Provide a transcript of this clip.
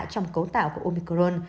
trong cấu tạo của omicron